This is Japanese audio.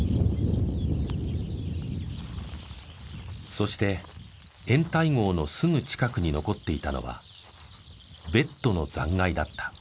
そして掩体壕のすぐ近くに残っていたのはベッドの残骸だった。